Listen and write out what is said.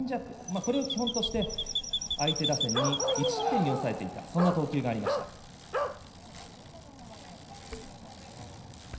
これを基本として相手打線を１失点に抑えていたそんな投球がありました。